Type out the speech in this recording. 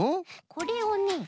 これをね